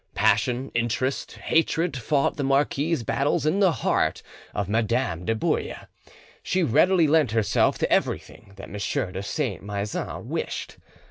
Passion, interest, hatred fought the marquis's battles in the heart of Madame de Bouille; she readily lent herself to everything that M. de Saint Maixent wished.